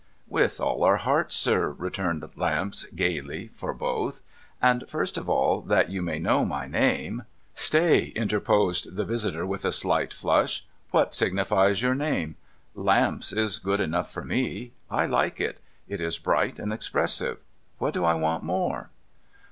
' With all our hearts, sir,' returned Lamps gaily for both. ' And first of all, that you may know my name ' 430 MUGBY JUNCTION ' Stay !' interposed the visitor with a slight flush. ' What signifies your name ? Lamps is name enough for me. I like it. It is bright and expressive. What do I want more